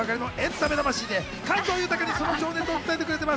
感情豊かにその情熱を伝えてくれてます。